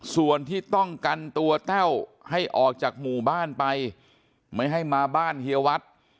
ส่วนที่ต้องกันตัวแต้วให้ออกจากหมู่บ้านไปไม่ให้มาบ้านเฮียวัด